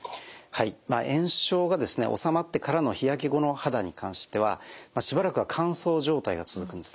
はい炎症が治まってからの日焼け後の肌に関してはしばらくは乾燥状態が続くんですね。